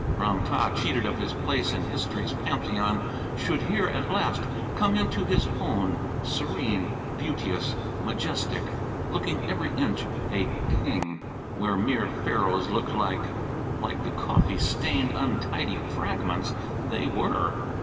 Ram tah, cheated of his place in history's pantheon, should here at last come into his own; serene, beauteous, majestic, looking every inch a king, where mere Pharaohs looked like like the coffee stained, untidy fragments they were.